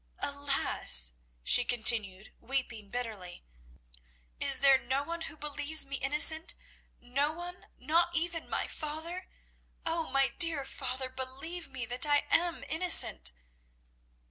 Alas," she continued, weeping bitterly, "is there no one who believes me innocent, no one, not even my father! Oh, my dear father, believe me that I am innocent."